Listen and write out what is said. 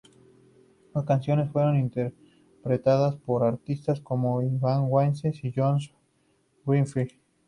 Sus canciones fueron interpretadas por artistas como Ian Wallace y Joyce Grenfell.